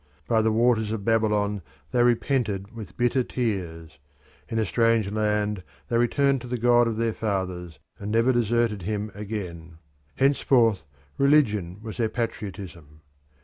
By the waters of Babylon they repented with bitter tears; in a strange land they returned to the god of their fathers and never deserted him again. Henceforth religion was their patriotism.